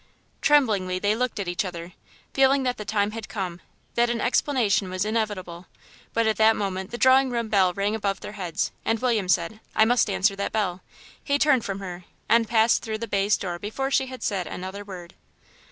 Tremblingly they looked at each other, feeling that the time had come, that an explanation was inevitable, but at that moment the drawing room bell rang above their heads, and William said, "I must answer that bell." He turned from her, and passed through the baize door before she had said another word.